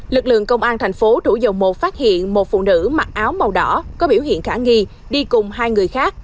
lực lượng công an tp hcm phát hiện một phụ nữ mặc áo màu đỏ có biểu hiện khả nghi đi cùng hai người khác